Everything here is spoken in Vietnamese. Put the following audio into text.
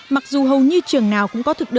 mặc dù hầu như trường nào cũng có thực đơn